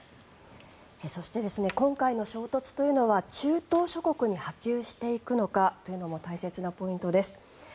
そして今回の衝突というのは中東諸国に波及していくのかというのも大切なポイントです。